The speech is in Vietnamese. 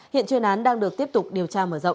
hiện chuyên án đang được tiếp tục điều tra mở rộng